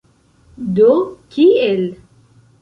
Do kiel?